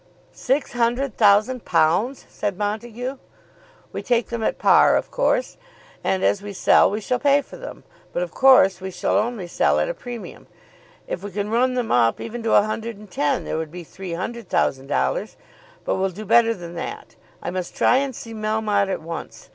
"Six hundred thousand pounds!" said Montague. "We take them at par, of course, and as we sell we shall pay for them. But of course we shall only sell at a premium. If we can run them up even to 110, there would be three hundred thousand dollars. But we'll do better than that. I must try and see Melmotte at once.